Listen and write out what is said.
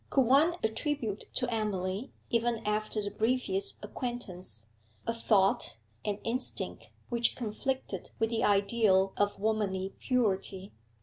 Could one attribute to Emily, even after the briefest acquaintance, a thought, an instinct, which conflicted with the ideal of womanly purity?